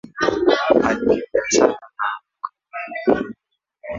Alikimbia sana akaanguka